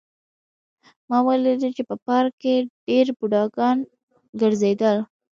ما ولیدل چې په پارک کې ډېر بوډاګان ګرځېدل